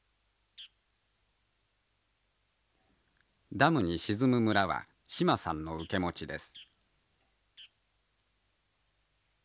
ダムに沈む村は志まさんの受け持ちです。